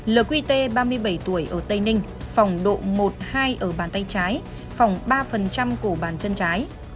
l q t ba mươi bảy tuổi ở tây ninh phỏng độ một hai ở bàn tay trái phỏng ba của bàn chân trái